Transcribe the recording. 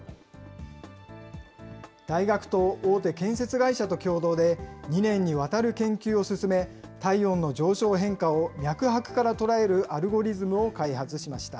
大学と大手建設会社と共同で２年にわたる研究を進め、体温の上昇変化を脈拍からとらえるアルゴリズムを開発しました。